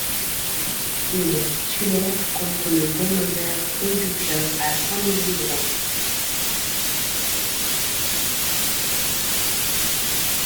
Il est titulaire contre le Buenos Aires Rugby Club à San Isidro.